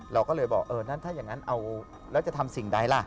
เราก็เลยบอกเออนั่นถ้าอย่างนั้นเอาแล้วจะทำสิ่งใดล่ะ